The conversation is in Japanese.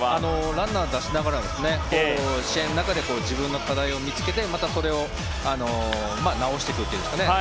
ランナーを出しながらも試合の中で自分の課題を見つけて、それを直していくというんですかね